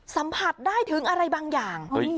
สัมผัสได้ถึงอะไรบางอย่าง